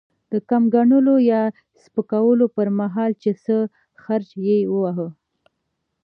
د کم ګڼلو يا سپکولو پر مهال؛ چې څه خرج يې وواهه.